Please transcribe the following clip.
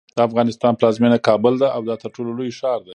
د افغانستان پلازمینه کابل ده او دا ترټولو لوی ښار دی.